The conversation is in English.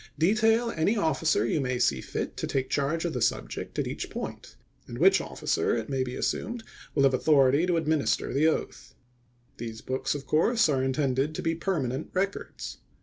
Detail any officer you may see fit to take charge of the subject at each point; and which officer, it may be assumed, will have authority to administer the oath. These books, of course, are intended to be permanent records.